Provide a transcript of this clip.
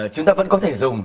chúng ta vẫn có thể dùng